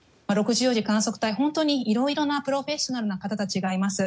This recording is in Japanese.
６４次観測隊いろいろなプロフェッショナルの方たちがいます。